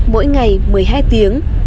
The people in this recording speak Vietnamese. mỗi ngày một mươi hai tiếng